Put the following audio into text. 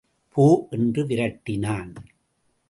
போ என்று விரட்டினான்.